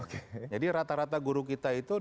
kalau kita menggunakan kompetensi guru